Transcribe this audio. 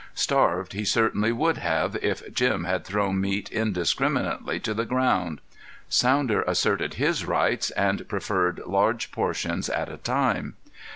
Starved he certainly would have, if Jim had thrown meat indiscriminately to the ground. Sounder asserted his rights and preferred large portions at a time.